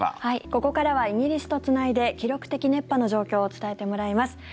ここからはイギリスとつないで記録的熱波の状況を伝えてもらいます。